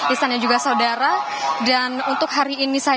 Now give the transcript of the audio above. istannya juga saudara dan untuk hari ini saja itu akan ada sekitar